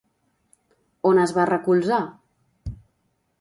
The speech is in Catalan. On es va recolzar?